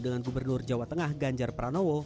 dengan gubernur jawa tengah ganjar pranowo